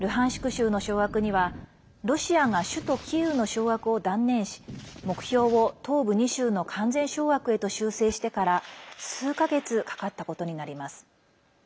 州の掌握にはロシアが首都キーウの掌握を断念し目標を東部２州の完全掌握へと修正してから数か月かかったことになります。